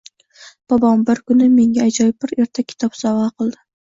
Bobom bir kuni menga ajoyib bir ertak kitob sovgʻa qildi